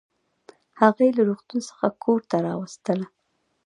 هغه يې له روغتون څخه کورته راوستله